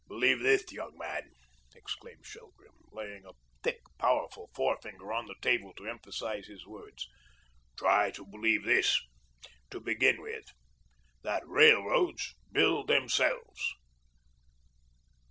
"Believe this, young man," exclaimed Shelgrim, laying a thick powerful forefinger on the table to emphasise his words, "try to believe this to begin with THAT RAILROADS BUILD THEMSELVES.